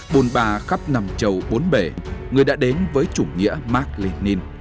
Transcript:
bồn bà khắp nằm chầu bốn bể người đã đến với chủ nghĩa mark lenin